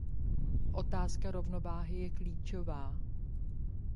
Otázka rovnováhy je klíčová.